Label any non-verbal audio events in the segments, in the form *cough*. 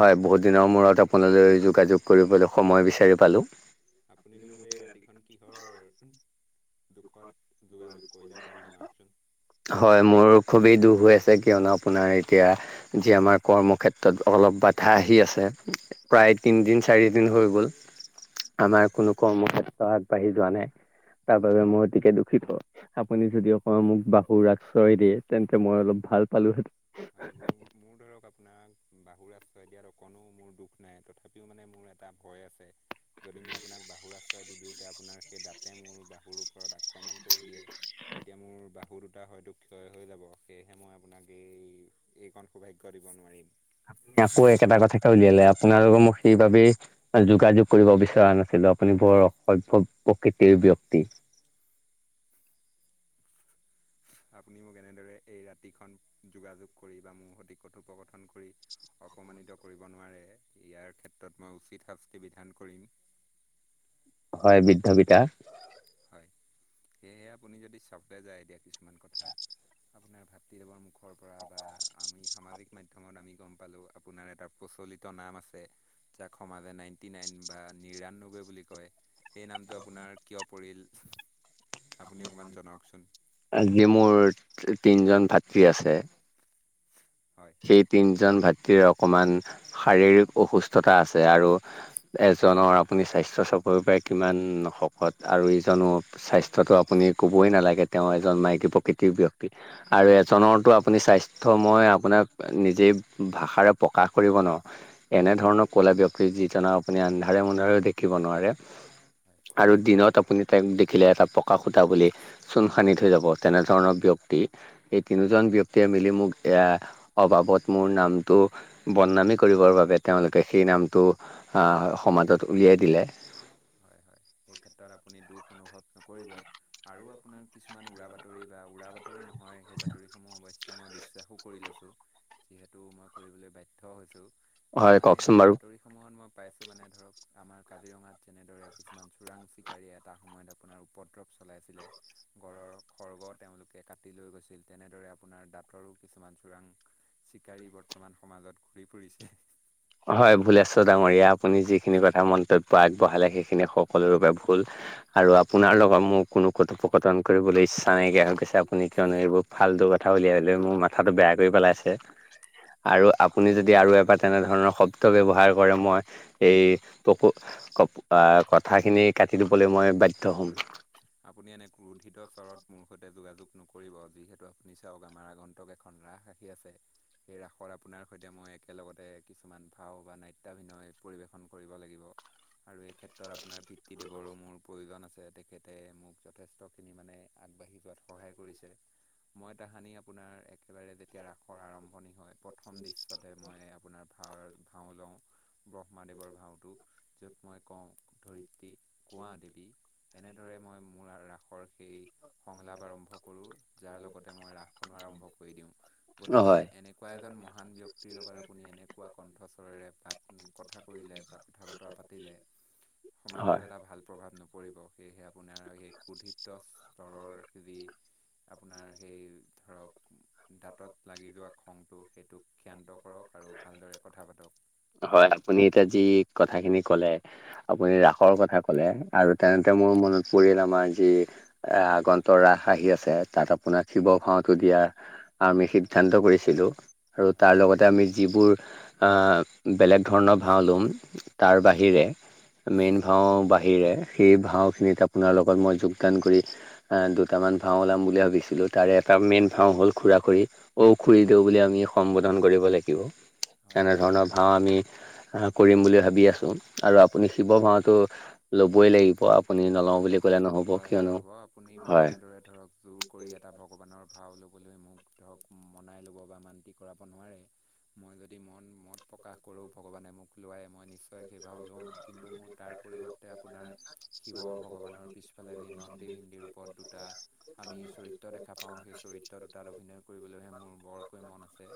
হয় বহুত দিনৰ মূৰত আপোনালৈ যোগাযোগ কৰিবলৈ সময় বিচাৰি পালো। আপুনিনো মোলে ৰাতিখন কিহৰ দুখত যোগাযোগ কৰিলে অকণমান জনাওকচোন? হয় মোৰ খুবেই দুখ হৈ আছে কিয়নো আপোনাৰ এতিয়া যি আমাৰ কৰ্মক্ষেত্ৰত অলপ বাধা আহি আছে। প্ৰায় তিনদিন চাৰি দিন হৈ গল আমাৰ কোনো কৰ্মক্ষেত্ৰ আগবাঢ়ি যোৱা নাই। তাৰ বাবে মই অতিকে দুখিত আপুনি হয়। যদি অক মোক বাহু ৰাস চয় দিয়ে তেন্তে মই অলপ ভাল পালোহেঁতেন। আৰু *unintelligible* মোৰ ধৰক আপোনাক বাহু আশ্ৰয় দিয়াত অকণো মোৰ দুখ নাই তথাপিও মানে মোৰ এটা ভয় আছে। যদি মই আপোনাক বাহুৰ আশ্ৰয় দি দিওঁতে আপোনাৰ সেই দাঁতে মোৰ বাহুৰ ওপৰত আক্ৰমণ কৰি দিয়ে। তেতিয়া মোৰ বাহু দুটা হয়তো ক্ষয় হৈ যাব সেয়েহে মই আপোনাক এই এইকণ সৌভাগ্য দিব নোৱাৰিম। আকৌ একেটা কথাকে উলিয়ালে, আপোনালোকো মোক সেইবাবেই যোগাযোগ কৰিব বিচৰা নাছিলো, আপুনি বৰ অসভগ্য প্ৰকৃতিৰ ব্যক্তি। আপুনি মোক এনেদৰে এই ৰাতিখন যোগাযোগ কৰি বা মোৰ সতি কথোপকথন কৰি অপমানিত কৰিব নোৱাৰে, ইয়াৰ ক্ষেত্ৰত মই উচিত শাস্তি বিধান কৰিম। হয় বৃদ্ধ পিতা। হয়, সেয়েহে আপুনি যদি চাওতে যায় এতিয়া কিছুমান কথা। আপোনাৰ ভাতৃদেৱৰ মুখৰ পৰা বা আমি সামাজিক মাধ্যমত আমি গম পালো আপোনাৰ এটা প্ৰচলিত নাম আছে। যাক সমাজে নাইনটি নাইন বা নিৰানব্বৈ বুলি কয়, সেই নামটো আপোনাৰ কিয় পৰিল, আপুনি অকণমান জনাওঁকচোন? আজি মোৰ তিনজন ভাতৃ আছে। হয়। সেই তিনজন ভাতৃৰ অকণমান শাৰীৰিক অসুস্থতা আছে আৰু এজনৰ আপুনি স্বাস্থ্য চাপৰি পাৰে কিমান শকত আৰু ইজনো স্বাস্থ্যটো আপুনি ক'বই নালাগে, তেওঁ এজন মাইকী প্ৰকৃতিৰ ব্যক্তি। আৰু এজনৰতো আপুনি স্বাস্থ্যময় আপোনাক নিজেই ভাষাৰে প্ৰকাশ কৰিব ন। এনেধৰণৰ ক'লা ব্যক্তি যিজনা আপুনি আন্ধাৰে-মন্ধাৰেও দেখিব নোৱাৰে। হয় আৰু দিনত আপুনি তেওঁক দেখিলে এটা পকা খুতা বুলি, চূণ সানি থৈ যাব তেনেধৰণৰ ব্যক্তিক। এই তিনিওজন ব্যক্তিয়ে মিলি মোক এইয়া অবাবত মোৰ নামটো বদনামে কৰিবৰ বাবে তেওঁলোকে সেই নামটো আ সমাজত উলিয়াই দিলে। হয়-হয়, সেই ক্ষেত্ৰত আপুনি দুখ অনুভৱ নকৰিব। আৰু আপোনাৰ কিছুমান উৰা বাতৰি বা উৰা বাতৰি নহয় সেই বাতৰিসমূহ অৱশ্যে যে মই বিশ্বাসো কৰি লৈছোঁ, যিহেতু মই কৰিবলৈ বাধ্য হৈছোঁ। হয় মানে কওকচোন এই বাৰু বাতৰিসমূহত মই পাইছোঁ মানে ধৰক আমাৰ কাজিৰঙাত যেনেদৰে কিছুমান চোৰাং-চিকাৰীয়ে এটা সময়ত আপোনাৰ উপদ্ৰৱ চলাইছিলে। গড়ৰ খৰ্গ তেওঁলোকে কাটি লৈ গৈছিল, তেনেদৰে আপোনাৰ দাঁতৰো কিছুমান চোৰাং চিকাৰী বৰ্তমান সমাজত ঘূৰি ফুৰিছে। হয় ভুলেশ্বৰ ডাঙৰীয়া, আপুনি যিখিনি কথা মন্তব্য আগবঢ়ালে সেইখিনি সকলোৰে বাবে ভুল। আৰু আপোনাৰ লগত মোৰ কোনো কথোপকথন কৰিবলৈ ইচ্ছা নাইকিয়া হৈ গৈছে, আপুনি কিয়নো এইবোৰ ফালটো কথা উলিয়ালৈ মোৰ মাথাটো বেয়া কৰি পেলাইছে। আৰু আপুনি যদি আৰু এবাৰ তেনেধৰণৰ শব্দ ব্যৱহাৰ *unintelligible* কৰে, মই এই কথোপ *unintelligible* কথোপকথন আ কথাখিনি কাটি দিবলৈ মই বাধ্য হ'ম। আপুনি এনে ক্ৰোধিত চৰত মোৰ সৈতে যোগাযোগ নকৰিব। যিহেতু আপুনি চাওঁক আমাৰ আগন্তক এখন ৰাস দি আছে। সেই ৰাসত আপোনাৰ সৈতে মই একেলগতে কিছুমান ভাও বা নাট্য অভিনয় পৰিৱেশন কৰিব লাগিব আৰু এই ক্ষেত্ৰত আপোনাৰ পিতৃদেৱৰো মোৰ প্ৰয়োজন আছে। তেখেত তে মোক যথেষ্টখিনি মানে আগবাঢ়ি যোৱাত সহায় কৰিছে। মই তাহানি আপোনাৰ একেবাৰে যেতিয়া ৰাসৰ আৰম্ভণি হয়। প্ৰথম দৃশ্যতে মই আপোনাৰ ভাওৰ ভাও লওঁ। ব্ৰহ্মাদেৱৰ ভাওটো য'ত মই কওঁ ধৰিত্ৰী কোৱা দেৱী এনেদৰে মই মোৰ ৰাসৰ সেই সংলাপ আৰম্ভ কৰোঁ। যাৰ লগতে মই ৰাস খন আৰম্ভ কৰি দিওঁ, গতিকে হয় এনেকুৱা এজন মহান ব্যক্তিৰ লগত আপুনি এনেকুৱা কণ্ঠস্বৰেৰে পা কথা কৰিলে বা কথা বতৰা পাতিলে, সমাজত হয় এটা ভাল প্ৰভাৱ নপৰে। সেয়েহে আপোনাৰ সেই কোধিত্ব স্তৰৰ ৰাখিবি। *unintelligible* আপোনাৰ সেই ধৰক দাঁতত লাগি যোৱা খংটো সেইটোক ক্ষান্ত কৰক আৰু ভালদৰে কথা পাতক। হয়। আপুনি এতিয়া যি কথাখিনি ক'লে আপুনি ৰাসৰ কথা ক'লে আৰু তেনেতে মোৰ মনত পৰিল আমাৰ যি এ আগন্তুক ৰাস আহি আছে, তাত আপোনাক শিৱ ভাওতো দিয়া আমি সিদ্ধান্ত কৰিছিলোঁ আৰু তাৰ লগতে আমি যিবোৰ আ, বেলেগ ধৰণৰ ভাওঁ লম, তাৰ বাহিৰে মেইন ভাওঁ সেইয়ে, সেই ভাওঁখিনিত আপোনাৰ লগত মই যোগদান কৰি এ দুটামান ভাওঁ ওলাম বুলি ভাবিছিলোঁ, তাৰে এটা মেইন ভাওঁ হ'ল খুৰা-খুৰী। অ' খুুৰী দৌ, বুলি আমি সম্বোধন কৰিব লাগিব। হয় এনেধৰণৰ ভাওঁ আমি কৰিম বুলি ভাবি আছোঁ, আৰু আপুনি শিৱ ভাওঁটো ল'বই লাগিব আপুনি নলওঁ হয় বুলি ক'লে নহ'ব হয় হয় কিয়নো ৰ'ব আপুনি মোক হয়। এনেদৰে ধৰক জোৰ কৰি এটা ভগৱানৰ ভাও ল'বলৈ মোক ধৰক মনাই ল'ব বা মান্তি কৰাব নোৱাৰে। মই যদি মন মত প্ৰকাশ কৰোঁ ভগৱানে মোক লোৱাই মই নিশ্চয় ত সেই ভাও লম, কিন্তু মোৰ তাৰ পৰিৱৰ্তে আপোনাৰ শিৱ ভগবানৰ পিছত পিছফালে যি নন্দী ভিন্দিৰ ওপৰত দুটা আমি চৰিত্ৰ দেখা পাওঁ, সেই চৰিত্ৰ দুটাত অভিনয় কৰিবলৈহে মোৰ বৰকৈ মন আছে।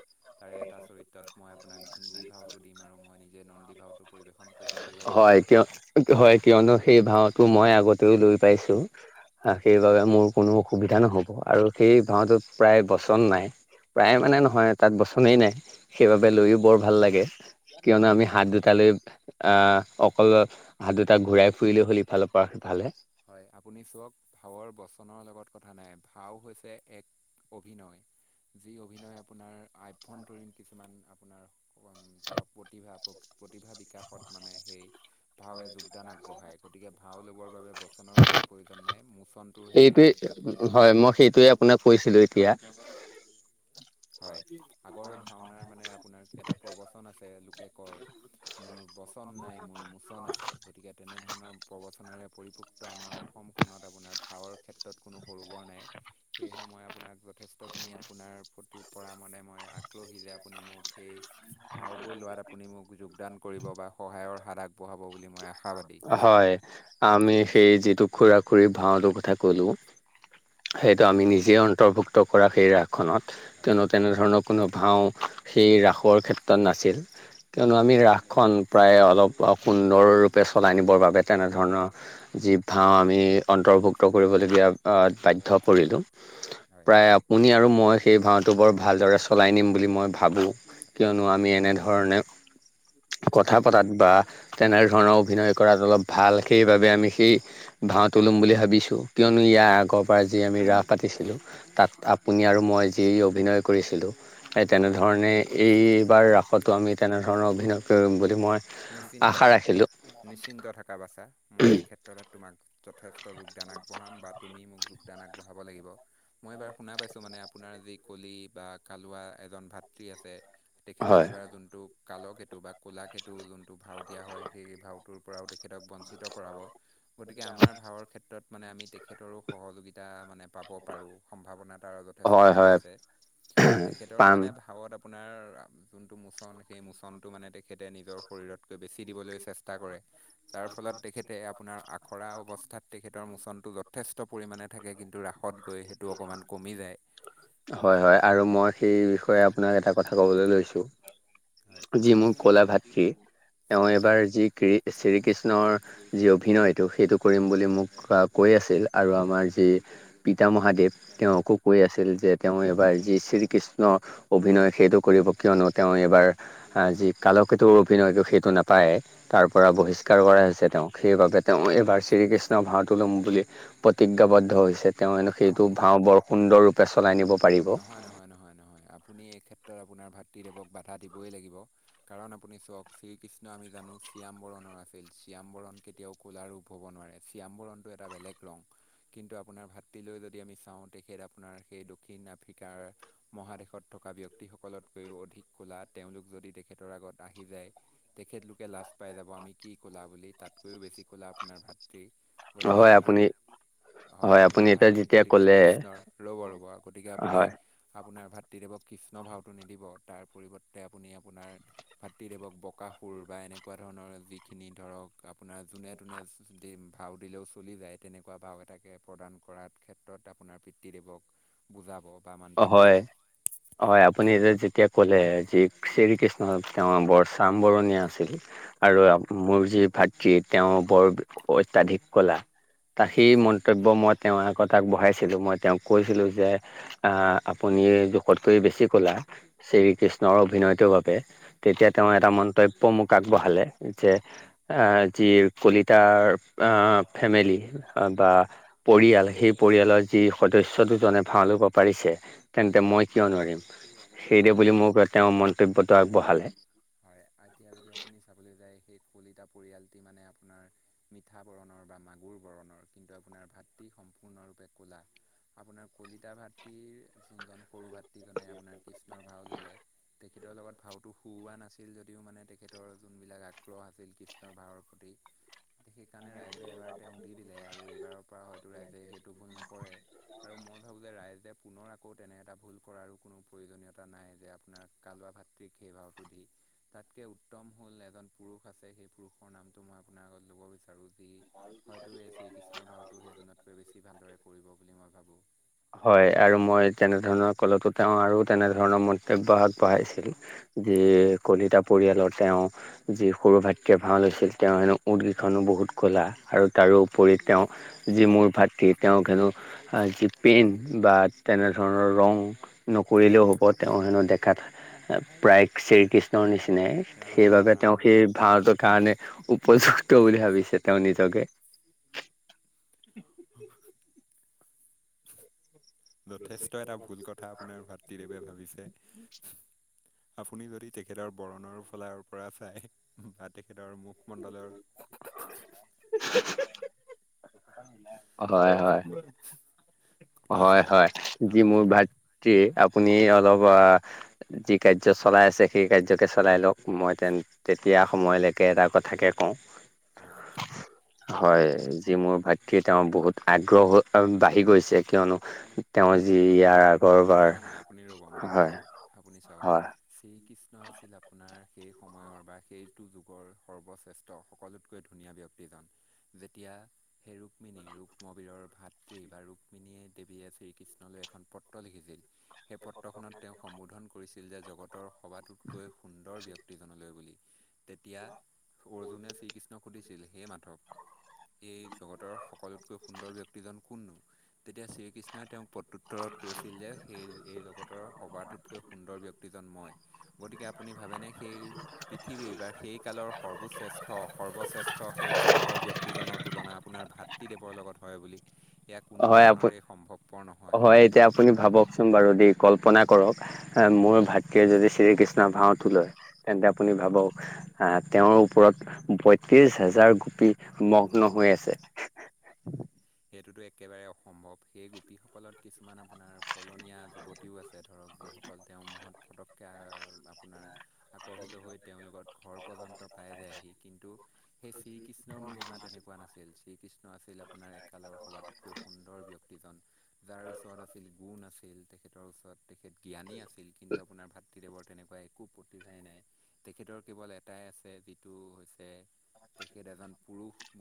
তাৰে এটা চৰিত্ৰত মই আপোনাক ভিন্দী ভাওটো দিম আৰু মই নিজে নন্দী ভাওটো পৰিৱেশন কৰোঁ। হয় কিয় হয় কিয়নো সেই ভাওটো মই আগতেও লৈ পাইছো। সেইবাবে মোৰ কোনো অসুবিধা নহ'ব আৰু সেই ভাওটোত প্ৰায় বচন নাই। প্ৰায় মানে নহয় তাত বচনেই নাই সেইবাবে লৈও বৰ ভাল লাগে। কিয়নো আমি হাত দুটালৈ আহ অকল হাত দুটা ঘূৰাই ফুৰিলে হ'ল ইফালৰ পৰা সিফালে। হয় আপুনি চাওক ভাওৰ বচনৰ লগত কথা নাই ভাও হৈছে এক অভিনয়, যি অভিনয় আপোনাৰ আভ্যন্তৰীণ কিছুমান আপোনাৰ ধৰক প্ৰতিভা প্ৰতিভা বিকাশত মানে সেই ভাওে যোগদান আগবঢ়ায় গতিকে ভাও ল'বৰ বাবে বচনৰ কোনো প্ৰয়োজন নাই মুচ সেইটোৱে হয় মই সেইটোৱে আপোনাক কৈছিলো এতিয়া। হয় আগৰ ভাওনাৰ মানে আপোনাৰ এটা প্ৰবচন আছে লোকে কয়। মোৰ বচন নাই মোৰ মুোচন আছে। গতিকে তেনেধৰণৰ প্ৰবচনেৰে পৰিপুক্ত আমাৰ অসমখনত আপোনাৰ ভাৱৰ ক্ষেত্ৰত ক্ষেত্ৰত কোনো সৰু বৰ নাই সেয়েহে মই আপোনাক যথেষ্টখিনি আপোনাৰ প্ৰতি পৰা মানে মই আককলহী যে আপুনি মোক সেই ভাওবোৰ লোৱাত আপোনি মোক যোগদান কৰিব বা সহায় সাত আগ বঢ়াব বোলি মই আশাবাদি। হয় আমি সেই যিটো খুৰা খুৰী ভাওটোৰ কথা ক'লোঁ, সেইটো আমি নিজেই অন্তৰ্ভুক্ত কৰা সেই ৰাস খনত হয় তেনেধৰণৰ কোনো ভাওঁ সেই ৰাসৰ ক্ষেত্ৰত নাছিল। কিয়নো আমি ৰাসখন প্ৰায় অলপ সুন্দৰৰূপে চলাই নিবৰ বাবে তেনেধৰণৰ যি ভাওঁ আমি অন্তৰ্ভুক্ত কৰিবলগীয়া বাধ্য পৰিলোঁ হয় প্ৰায় শুনি আৰু মই সেই ভাওঁটো বৰ ভালদৰে চলাই নিম বুলি মই ভাবোঁ। কিয়নো আমি এনেধৰণে কথা হয় পতাত বা তেনেধৰণৰ অভিনয় কৰাত অলপ ভাল সেইবাবে আমি সেই ভাওটো লম বুলি ভাবিছো কিয়নো ইয়াৰ আগৰ পৰা যি আমি ৰাস পাতিছিলোঁ, তাত আপুনি আৰু মই যি অভিনয় কৰিছিলোঁ। সেই তেনেধৰণে এইবাৰ ৰাসতো আমি তেনেধৰণৰ অভিনয় কৰিম বুলি মই নিশ্চিন্ত আশা ৰাখিলোঁ নিশ্চিন্ত থকা বাচা মই এই ক্ষেত্ৰত তোমাক যথেষ্ট যোগদান আগবঢ়াম বা তুমি মোক যোগদান আগবঢ়াব লাগিব। মই এবাৰ শুনা পাইছোঁ মানে আপোনাৰ যি কলি বা কালুৱা এজন ভাতৃ আছে, তেখেতক হয় এইবাৰ যোনটো কালকেতু বা ক'লাকেতু টো যোনটো ভাও দিয়া হয় সেই ভাওটোৰ পৰাও তেখেতক বঞ্চিত কৰাব। গতিকে আমাৰ ভাওৰ ক্ষেত্ৰত মানে আমি তেখেতৰো সহযোগিতা মানে পাব পাৰোঁ সম্ভাৱনা তাৰ যথেষ্ঠ হয় খিনি হয় আছে। তেখেতৰো পাম মানে ভাওত আপোনাৰ যোনটো মোচন সেই মোচনটো মানে তেখেতে নিজৰ শৰীৰতকৈ বেছি দিবলৈ চেষ্টা কৰে যাৰ ফলত তেখেতে আপোনাৰ খৰা অৱস্থাত তেখেতৰ মোচনটো যথেষ্ট পৰিমাণে থাকে কিন্তু ৰাসত গৈ সেইটো অকণমান কমি যায়। হয় হয় আৰু মই সেই বিষয়ে আপোনাক এটা কথা ক'বলৈ লৈছোঁ। হয়। যি মোৰ কলা ভাতৃ তেওঁ হয়, এবাৰ যি ক শ্ৰী কৃষ্ণৰ যি অভিনয়টো সেইটো কৰিম বুলি মোক কৈ আছিল আৰু আমাৰ যি পিতা ম মহাদেৱ তেওঁকো কৈ আছিল যে তেওঁ এইবাৰ যি শ্ৰীকৃষ্ণ অভিনয় সেইটো কৰিব কিয়নো তেওঁ এইবাৰ আ যি কালকেতু অভিনয়টো সেইটো নাপায়ে। তাৰ পৰা বহিষ্কাৰ কৰা হৈছে তেওঁক, সেইবাবে তেওঁ এইবাৰ শ্ৰীকৃষ্ণৰ ভাওতো লম বুলি প্ৰতিজ্ঞাবদ্ধ হৈছে তেওঁ সেইটো আপোন ভাও বৰ সুন্দৰ ৰূপে চলাই নিব পাৰিব নহয় নহয় নহয় নহয় আপুনি এই ক্ষেত্ৰত আপোনাৰ ভাতৃদেৱক বাধা দিবই লাগিব। কাৰণ আপুনি চাওক শ্ৰীকৃষ্ণ আমি জানো চিয়াম্বৰণৰ আছিল চিয়াম্বৰণ কেতিয়াও ক'লা ৰূপ হ'ব নোৱাৰে। চিয়াম বৰণটো এটা বেলেগ ৰং। কিন্তু আপোনাৰ ভাতৃলৈ যদি আমি চাওঁ তেখেত আপোনাৰ সেই দক্ষিণ আফ্ৰিকাৰ মহাদেশত থকা ব্যক্তিসকলতকৈও অধিক ক'লা তেওঁলোক যদি তেখেতৰ আগত আহি যায়। তেখেতলোকে লাজ পাই যাব আমি কি ক'লা বুলি তাতকৈও বেছি ক'লা আপোনাৰ ভাতৃ। গতিকে হয় আপোনাৰ, আপুনি হয় আপুনি আপোনাৰ এতিয়া ভাতৃক যেতিয়া গতিকে ক'লে কৃষ্ণৰ, ৰব ৰব। গতিকে আপুনি হয় আপোনাৰ ভাতৃদেৱক কৃষ্ণ ভাওটো নিদিব, তাৰ পৰিৱৰ্তে আপুনি আপোনাৰ ভাতৃদেৱক বকাসুৰ বা এনেকুৱা ধৰণৰ যিখিনি ধৰক আপোনাৰ যোনে *unintelligible* দিম ভাও দিলেও চলি যায় তেনেকুৱা ভাও এটাকে প্ৰদান কৰাত ক্ষেত্ৰত আপোনাৰ পিতৃদেৱক বুজাব বা মান্তি হয় কৰাব। হয় আপুনি যে যেতিয়া ক'লে যি শ্ৰীকৃষ্ণ তেওঁৰ বৰ চামবৰণীয়া আছিল আৰু মোৰ যি ভাতৃ তেওঁ বৰ অত্যাধিক কলা। তাক সেই হয় মন্তব্য মই তেওঁৰ আগত আগ বঢ়াইছিলোঁ মই তেওঁক কৈছিলোঁ যে অ আপুনি জোখতকৈ বেছি ক'লা শ্ৰীকৃষ্ণৰ অভিনয়টোৰ বাবে। তেতিয়া তেওঁ হয় এটা মন্তব্য মোক আগবঢ়ালে যে হয় অ যি কলিতাৰ অ ফেমিলি বা পৰিয়াল সেই পৰিয়ালৰ যি সদস্য দুজনে ভাও লব পাৰিছে তেন্তে মই কিয় নোৱাৰিম, সেই দেই হয় বুলি মোক তেওঁ মন্তব্যটো আগবঢ়ালে। হয় এতিয়া যদি আপুনি চাবলৈ যায় সেই কলিতা পৰিয়ালটি মানে আপোনাৰ মিঠা বৰণৰ বা মাগুৰ বৰণৰ, কিন্তু আপোনাৰ ভাতৃ সম্পূৰ্ণৰূপে ক'লা। আপোনাৰ কলিতা ভাতৃৰ যোনজন সৰু ভাতৃজনে আপোনাৰ কৃষ্ণৰ ভাও ল'লে তেখেতৰ লগত ভাওতো শুওৱা না ছিল যদিও মানে তেখেতৰ যোনবিলাক আগ্ৰহ আছিল কৃষ্ণৰ ভাওৰ প্ৰতি সেইকাৰণে ৰাইজে এবাৰ তেওঁক দি দিলে আৰু এইবাৰৰ পৰা হয়তো ৰাইজে সেইটো ভুল নকৰে। আৰু মই ভাবোঁ যে ৰাইজে পুনৰ আকৌ তেনে এটা ভুল কৰাৰো কোনো প্ৰয়োজনীয়তা নাই যে আপোনাৰ কালুৱা ভাতৃক সেই ভাওটো দি তাতকে উত্তম হ'ল এজন পুৰুষ আছে সেই পুৰুষৰ নামটো মই আপোনাৰ আগত ল'ব বিচাৰোঁ। যি হয়তো এই শ্ৰীকৃষ্ণৰ ভাওটো সেইজনতকৈ বেছি ভালদৰে কৰিব বুলি মই ভাবোঁ। হয় আৰু মই তেনেধৰণৰ কলতো তেওঁ আৰু তেনেধৰণৰ মন্তব্য আগবঢ়াইছিল। যি কলিতা পৰিয়ালৰ তেওঁ যি সৰু ভাতৃয়ে ভাও লৈছিল তেওঁ হেনো উঠ কেইখনো বহুত ক'লা আৰু তাৰোপৰি তেওঁ যি মোৰ ভাতৃ তেওঁক হেনো অ যি পেন্ট বা তেনেধৰণৰ ৰং নকৰিলেও হ'ব তেওঁ হেনো দেখাত প্ৰায় শ্ৰীকৃষ্ণৰ নিচিনাই। ৰাম ৰাম সেইবাবে ৰাম তেওঁ ৰাম সেই ভাওতৰ কাৰণে উপযুক্ত বুলি ভাবিছে তেওঁ নিজকে। *inaudible* যথেষ্ট এটা ভুল কথা আপোনাৰ ভাতৃদেৱে ভাবিছে। আপুনি যদি তেখেতৰ বৰণৰ ফলাৰ পৰা চায় বা তেখেতৰ মুখমণ্ডলৰ *unintelligible* হয় হয় *unintelligible* হয় চাই হয় যি আপুনি মোৰ ভাতৃৰ হয় আপুনি অলপ অ যি কাৰ্য চলাই আছে সেই কাৰ্যকে চলাই লওক মই তেন তেতিয়া সময়লৈকে এটা কথাকে কওঁ। হয়। হয় যি মোৰ ভাতৃ তেওঁ বহুত আগ্ৰহ বাঢ়ি গৈছে। কিয়নো তেওঁৰ যি ইয়াৰ আগৰবাৰ নহয় - নহয় আপুনি ৰ'ব মই কৈ হয় লও আপুনি চাওক। হয় শ্ৰীকৃষ্ণ আছিল আপোনাৰ সেই সময়ৰ বা সেইটো যুগৰ সৰ্বশ্ৰেষ্ঠ সকলোত। কৈ ধুনীয়া ব্যক্তিজন যেতিয়া সেই ৰুক্মিণী ৰুক্মবীৰৰ ভাতৃ বা ৰুক্মিণীয়ে দেৱীয়ে শ্ৰীকৃষ্ণলে এখন পত্ৰ লিখিছিল, সেই পত্ৰখনত তেওঁ সম্বোধন কৰিছিল যে জগতৰ সবাটোতকৈ সুন্দৰ ব্যক্তিজনলৈ বুলি, তেতিয়া অৰ্জুনে শ্ৰীকৃষ্ণক সুধিছিল সেই মাধৱ এই জগতৰ সকলোতকৈ সুন্দৰ ব্যক্তিজন কোননো। তেতিয়া শ্ৰীকৃষ্ণই তেওঁক পতু কৈছিল যে সেই এই জগতৰ সভাটোতকৈ সুন্দৰ ব্যক্তিজন মই। গতিকে আপুনি ভাবেনে সেই পৃথিৱীৰ বা সেই কালৰ সৰ্বশ্ৰেষ্ঠ - সৰ্বশ্ৰেষ্ঠ সেই সুন্দৰ ব্যক্তিজনৰ। তুলনা আপোনাৰ ভাতৃদেৱৰ লগত হয় বুলি এয়া কোনো হয় আপু কাৰণতেই সম্ভৱপৰ নহয়। হয় এতিয়া আপুনি ভাবকচোন বাৰু দেই কল্পনা কৰক মোৰ ভাতৃয়ে যদি শ্ৰীকৃষ্ণৰ ভাওটো লয় তেন্তে আপুনি ভাবক আহ তেওঁৰ ওপৰত পয়ত্ৰিশ হাজাৰ গোপী মগ্ন হৈ আছে। সেইটোতো একেবাৰে অসম্ভৱ সেই গোপীসকলত কিছুমান আপোনাৰ পলনীয়া যুৱত ব্যক্তিও আছে ধৰক যিসকল তেও ফটকে আ আপোনাৰ আকৰ্ষিত হৈ তেওঁলোকত ঘৰ পৰ্যন্ত পাই যায়হি কিন্তু সেই শ্ৰীকৃষ্ণৰ মহিমা তেনেকুৱা নাছিল শ্ৰীকৃষ্ণ আছিল আপোনাৰ কালৰ সবাততকৈ সুন্দৰ ব্যক্তিজন যাৰ ওচৰত আছিল গুণ আছিল তেখেতৰ ওচৰত। তেখেত জ্ঞানী আছিল কিন্তু আপোনাৰ ভাত শিদেৱৰ তেনেকুৱা একো প্ৰতিভাই নাই তেখেতৰ কেৱল এটাই আছে যিটো হৈছে তেখেত এজন পুৰুষ।